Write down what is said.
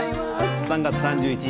３月３１日